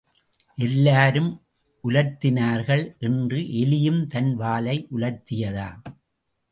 எல்லாரும் உலர்த்தினார்கள் என்று எலியும் தன் வாலை உலர்த்தியதாம்.